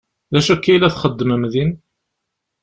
D acu akka i la txeddmem din?